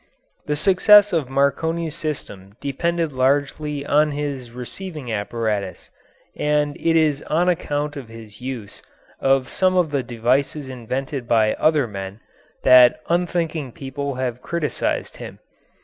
The success of Marconi's system depended largely on his receiving apparatus, and it is on account of his use of some of the devices invented by other men that unthinking people have criticised him.